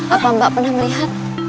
apa mbak pernah melihat